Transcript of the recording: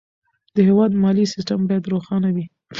د هېواد مالي سیستم باید روښانه وي.